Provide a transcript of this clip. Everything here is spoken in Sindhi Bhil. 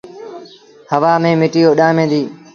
هوآ ميݩ مٽيٚ اُڏآمي ديٚ۔